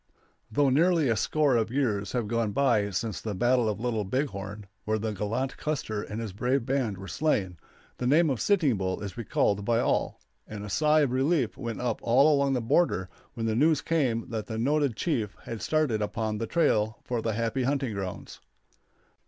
] Though nearly a score of years have gone by since the battle of the Little Big Horn, where the gallant Custer and his brave band were slain, the name of Sitting Bull is recalled by all; and a sigh of relief went up all along the border when the news came that the noted chief had started upon the trail for the happy hunting grounds.